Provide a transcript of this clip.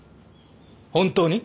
本当に？